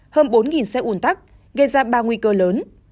hơn bốn xe ủn tắc gây ra ba nguy cơ lớn